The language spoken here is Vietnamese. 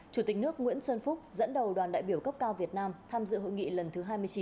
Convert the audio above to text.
chủ tịch nước nguyễn xuân phúc dẫn đầu đoàn đại biểu cấp cao việt nam tham dự hội nghị lần thứ hai mươi chín